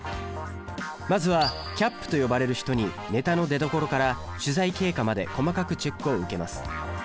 まずはキャップと呼ばれる人にネタの出どころから取材経過まで細かくチェックを受けます。